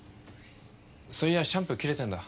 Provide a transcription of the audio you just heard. そういやシャンプー切れてんだ。